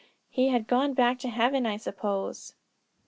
He had gone back to heaven, I suppose.